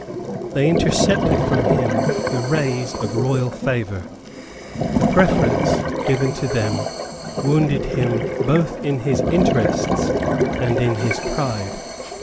They intercepted from him the rays of royal favour. The preference given to them wounded him both in his interests and in his pride.